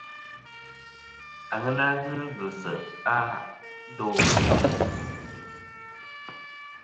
Aŋena ghɨ ghɨ se'a ndo ?